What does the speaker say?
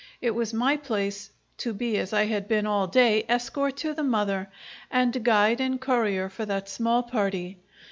It was my place to be, as I had been all day, escort to the mother, and guide and courier for that small party.